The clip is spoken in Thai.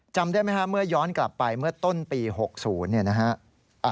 จำได้ไหมฮะเมื่อย้อนกลับไปเมื่อต้นปี๖๐เนี่ยนะฮะ